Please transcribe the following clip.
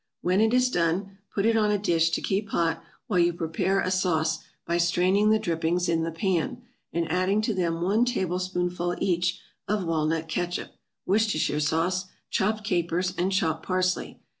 When it is done, put it on a dish to keep hot while you prepare a sauce by straining the drippings in the pan, and adding to them one tablespoonful each of walnut catsup, Worcestershire sauce, chopped capers, and chopped parsley.